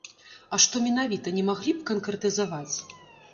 А што менавіта, не маглі б канкрэтызаваць?